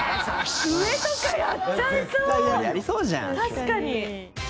確かに。